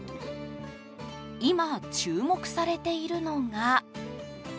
今、注目されているのが。